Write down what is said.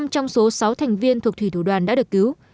năm trong số sáu thành viên thuộc thủy thủ đoàn đã được cứu